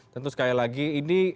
tentu sekali lagi ini